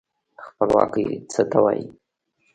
خپلواکي څه ته وايي؟